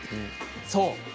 そう！